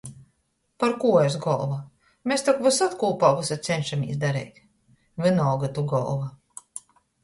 Parkū es golva? Mes tok vysod kūpā vysu cenšamīs dareit... Vīnolga, tu golva!